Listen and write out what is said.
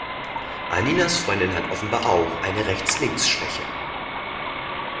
Anninas Freundin hat offenbar auch eine Rechts-links-Schwäche.